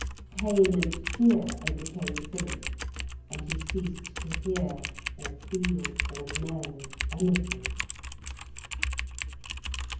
Pain and fear overcame Philip, and he ceased to hear or feel or know anything.